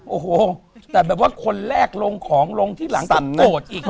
โอ้โหแต่แบบว่าคนแรกลงของลงที่หลังตัดโกรธอีก